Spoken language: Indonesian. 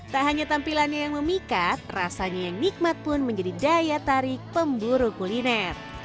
tak hanya tampilannya yang memikat rasanya yang nikmat pun menjadi daya tarik pemburu kuliner